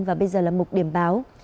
và bây giờ là một điểm báo